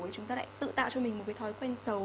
thì chúng ta lại tự tạo cho mình một cái thói quen xấu